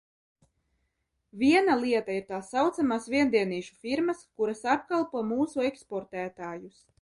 Viena lieta ir tā saucamās viendienīšu firmas, kuras apkalpo mūsu eksportētājus.